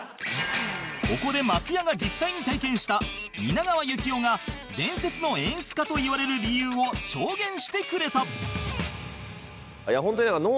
ここで松也が実際に体験した蜷川幸雄が伝説の演出家といわれる理由を証言してくれた